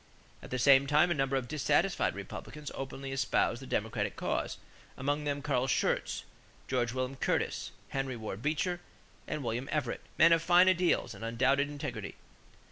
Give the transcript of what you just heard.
At the same time a number of dissatisfied Republicans openly espoused the Democratic cause, among them Carl Schurz, George William Curtis, Henry Ward Beecher, and William Everett, men of fine ideals and undoubted integrity.